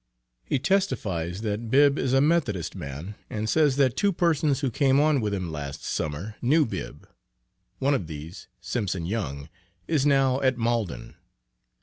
He testifies that Bibb is a Methodist man, and says that two persons who came on with him last Summer, knew Bibb. One of these, Simpson Young, is now at Malden.